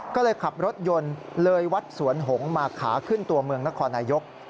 ก็เลยขับรถยนต์เลยวัดสวนหงษ์มาขาขึ้นตัวเมืองนครนายก